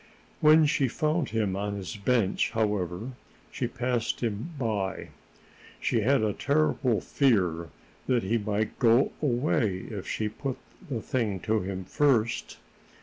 When she found him on his bench, however, she passed him by. She had a terrible fear that he might go away if she put the thing to him first.